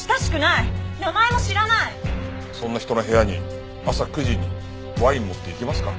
そんな人の部屋に朝９時にワイン持って行きますか？